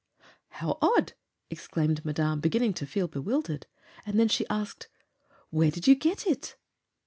"How odd!" exclaimed Madame, beginning to feel bewildered. And then she asked: "Where did you get it?"